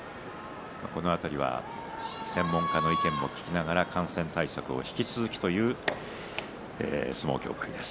この辺りは専門家の意見も聞きながら感染対策を引き続きという相撲協会です。